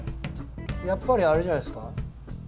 やっぱりあれじゃないですか。